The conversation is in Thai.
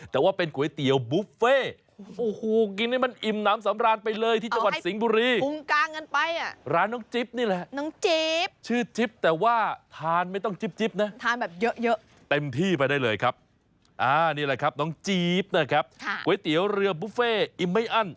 ตรงก๋วยเตี๋ยวอะไรที่มันเป็นเส้น